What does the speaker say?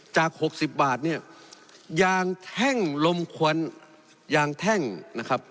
จาก๖๐บาทเนี่ยยางแท่งลมควันยางแท่งนะครับ